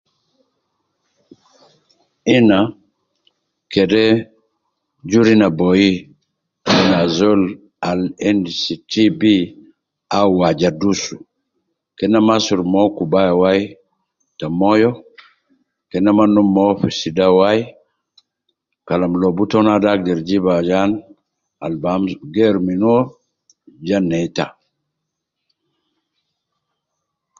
Ena kede juru Ina boyi min azol al endis TB au waja dusu, kena maa asurub mo kubaya wai te moyo, kena ma numu mo fi sida wai Kalam lobu to naade agder jibu Ayan al bi am geeru min uwo ja neita.